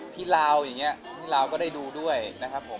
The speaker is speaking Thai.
ที่ลาวอย่างนี้พี่ลาวก็ได้ดูด้วยนะครับผม